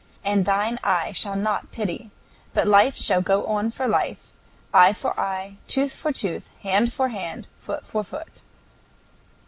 And thine eye shall not pity; but life shall go for life, eye for eye, tooth for tooth, hand for hand, foot for foot."